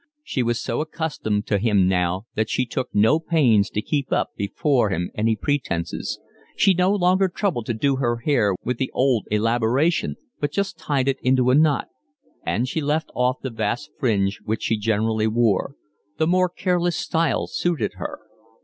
She was so accustomed to him now that she took no pains to keep up before him any pretences. She no longer troubled to do her hair with the old elaboration, but just tied it in a knot; and she left off the vast fringe which she generally wore: the more careless style suited her.